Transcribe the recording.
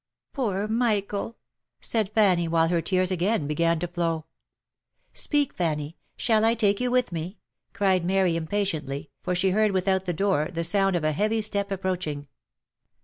"Poor Michael!" said Fanny, while her tears again began to flow. "Speak, Fanny! shall I take you with me?" cried Mary, impa tiently, for she heard without the door the sound of a heavy step ap proaching.